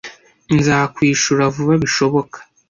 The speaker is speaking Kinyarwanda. Nzakwishura vuba bishoboka.